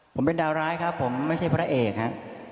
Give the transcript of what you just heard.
ผมเป็นดาวร้ายครับผมไม่ใช่พระเอกครับ